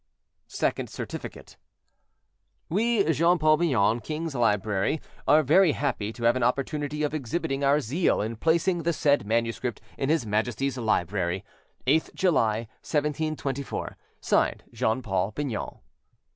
SECOND CERTIFICATE "We, Jean Paul Bignon, king's librarian, are very happy to have an opportunity of exhibiting our zeal, in placing the said manuscript in His Majesty's library. "8th July, 1724." "(Signed) JEAN PAUL BIGNAN."